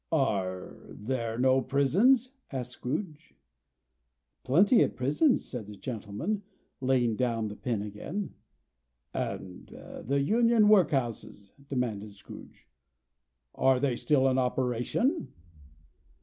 "Are there no prisons?" asked Scrooge. "Plenty of prisons," said the gentleman, laying down the pen again. "And the Union workhouses?" demanded Scrooge. "Are they still in operation?"